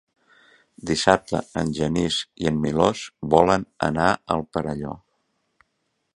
Dissabte en Genís i en Milos volen anar al Perelló.